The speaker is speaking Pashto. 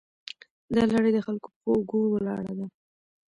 دا لړۍ د خلکو په اوږو ولاړه ده.